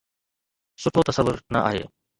سٺو تصور نه آهي